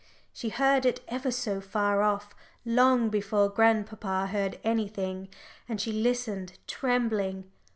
She heard it ever so far off, long before grandpapa heard anything. And she listened, trembling.